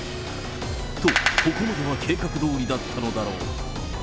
と、ここまでは計画どおりだったのだろう。